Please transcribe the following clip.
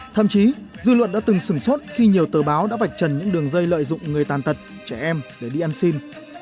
thậm chí dư luận đã từng sửng sốt khi nhiều tờ báo đã vạch trần những đường dây lợi dụng người tàn tật trẻ em để đi ăn xin